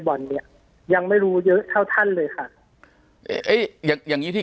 ปากกับภาคภูมิ